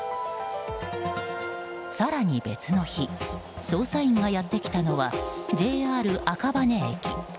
更に別の日、捜査員がやってきたのは、ＪＲ赤羽駅。